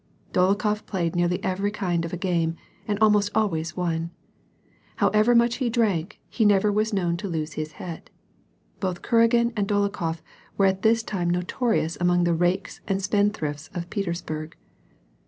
Dolokhof played nearly every kind of a game and almost always won. How ever much he drank, he never was known to lose his head. Both Kuragin and Dolokhof were at this time notorious among the rakes and spendthrifts of Petersburg.